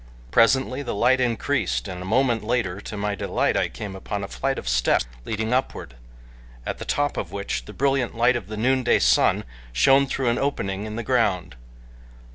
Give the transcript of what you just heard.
Presently the light increased and a moment later, to my delight, I came upon a flight of steps leading upward, at the top of which the brilliant light of the noonday sun shone through an opening in the ground.